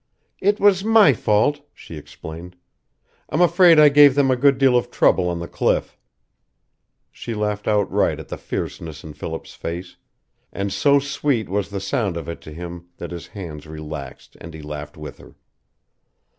"It was my fault," she explained. "I'm afraid I gave them a good deal of trouble on the cliff." She laughed outright at the fierceness in Philip's face, and so sweet was the sound of it to him that his hands relaxed and he laughed with her.